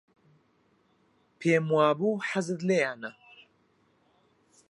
پێم وابوو حەزت لێیانە.